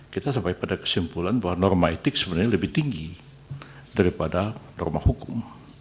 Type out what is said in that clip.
kita sampai pada kesimpulan bahwa norma etik sebenarnya lebih tinggi daripada norma hukum